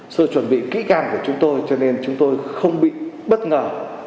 rồi chuẩn bị kỹ càng của chúng tôi cho nên chúng tôi không bị bất ngờ